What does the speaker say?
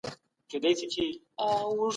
کتاب چاپ کړ